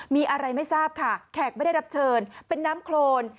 มีอะไรไม่ทราบค่ะแขกไม่ได้รับเชิญเป็นน้ำโครน